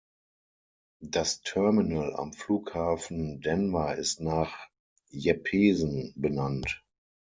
Das Terminal am Flughafen Denver ist nach Jeppesen benannt.